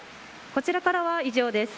こちらからは以上です。